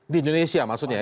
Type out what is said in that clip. di indonesia maksudnya ya